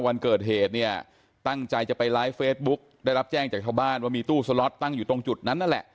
วันเกิดเหตุเนี่ยตั้งใจจะไปไลฟ์เฟซบุ๊กได้รับแจ้งจากชาวบ้านว่ามีตู้สล็อตตั้งอยู่ตรงจุดนั้นนั่นแหละ